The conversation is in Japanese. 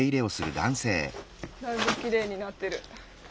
だいぶきれいになってる。